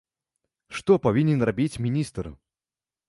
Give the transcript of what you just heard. Што павінен рабіць міністр?